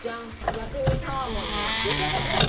薬味サーモンの出来上がりです。